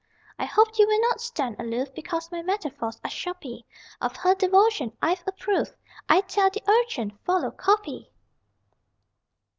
I hope you will not stand aloof Because my metaphors are shoppy; Of her devotion I've a proof I tell the urchin, Follow Copy!